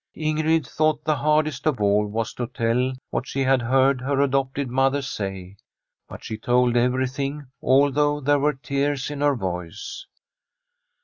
Ingrid thought the hardest of all was to tell what she had heard her adopted mother say. But she told everything, although there were tears in her voice.